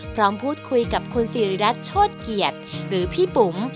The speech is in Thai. พร้อมพูดคุยกับคุณสิริรัตน์โชธเกียรติหรือพี่ปุ๋ม